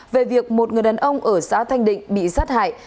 về việc một người đàn ông ở xã thanh định bị sát hại